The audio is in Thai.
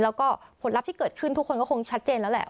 แล้วก็ผลลัพธ์ที่เกิดขึ้นทุกคนก็คงชัดเจนแล้วแหละ